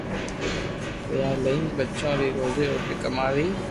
پيئا ليئين ٻچو ري روزو روٽي ڪماوي